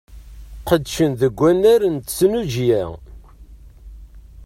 Qedcen deg unnar n tesnujya.